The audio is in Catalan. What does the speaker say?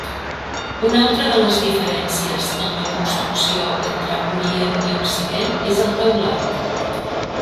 Una altra de les diferències en la construcció entre orient i occident és el teulat.